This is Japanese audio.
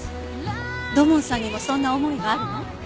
土門さんにもそんな思いがあるの？